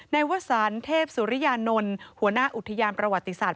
ในว่าสารเทพสุริยานนลหัวหน้าอุทยานประวัติศาสตร์